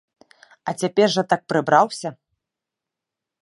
А цяпер жа так прыбраўся!